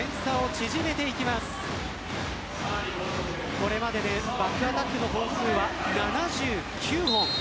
これまででバックアタックの本数は７９本。